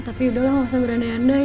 tapi yaudahlah nggak usah berandai andai